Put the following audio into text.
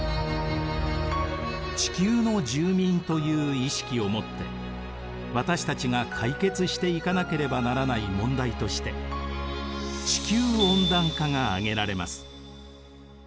地球の住民という意識を持って私たちが解決していかなければならない問題として地球温暖化が挙げられます。